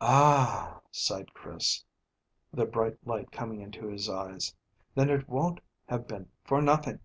"Ah!" sighed Chris, with a bright light coming into his eyes. "Then it won't have been for nothing."